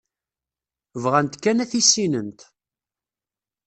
Bɣant kan ad t-issinent.